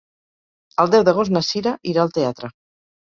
El deu d'agost na Cira irà al teatre.